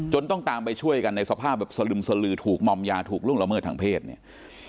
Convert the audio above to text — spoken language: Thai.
ต้องตามไปช่วยกันในสภาพแบบสลึมสลือถูกมอมยาถูกล่วงละเมิดทางเพศเนี่ย